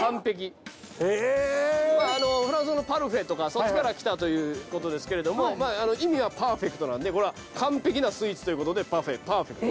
そっちから来たということですけれども意味はパーフェクトなんで完璧なスイーツということでパフェパーフェクト。